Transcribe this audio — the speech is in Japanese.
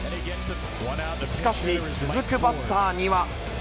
しかし続くバッターには。